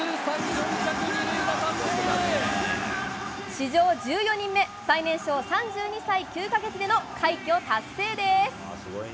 史上１４人目最年少３２歳９か月での快挙達成です。